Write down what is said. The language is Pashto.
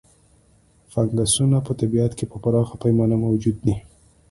فنګسونه په طبیعت کې په پراخه پیمانه موجود دي.